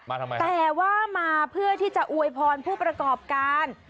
ทำไมแต่ว่ามาเพื่อที่จะอวยพรผู้ประกอบการ